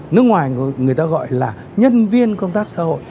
nước ngoài người ta gọi là nhân viên công tác xã hội